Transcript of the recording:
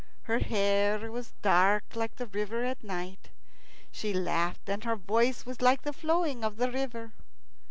Her hair was dark, like the river at night. She laughed, and her voice was like the flowing of the river.